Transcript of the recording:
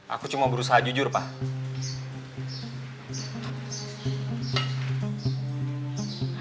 aku cuma berusaha jujur pak